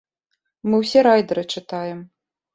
Мы ўсе райдары чытаем.